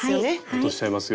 落としちゃいますよ。